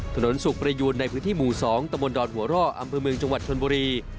ถนนสุขประยูนในพื้นที่หมู่๒ตะบนดอนหัวร่ออำเภอเมืองจังหวัดชนบุรี